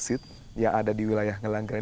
antara batuan andesit yang ada di wilayah ngelanggerak